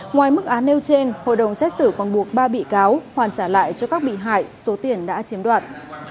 ngoài mức án nêu trên hội đồng xét xử còn buộc ba bị cáo hoàn trả lại cho các bị hại số tiền đã chiếm đoạt